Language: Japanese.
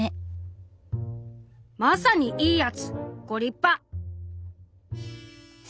「まさに『いいやつ』ご立派！」。